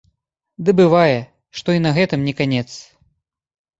Ды бывае, што і на гэтым не канец.